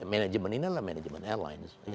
manajemen ini adalah manajemen airline